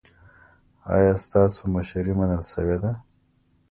ایا ستاسو مشري منل شوې ده؟